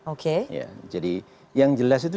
oke jadi yang jelas itu